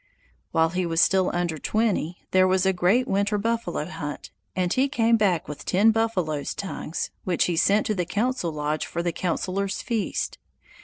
While he was still under twenty, there was a great winter buffalo hunt, and he came back with ten buffaloes' tongues which he sent to the council lodge for the councilors' feast.